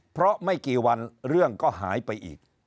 เพราะไม่กี่วันเรื่องก็หายไปอีก